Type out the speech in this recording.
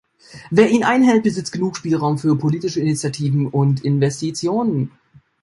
Wer ihn einhält, besitzt genug Spielraum für politische Initiativen und Investitionen.